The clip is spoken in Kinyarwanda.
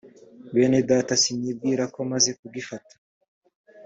bene data sinibwira yuko maze kugifata